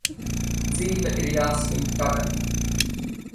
Dzīve ir jāsvin tagad!